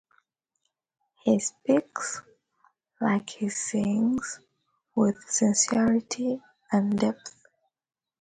He speaks, like he sings, with sincerity and depth.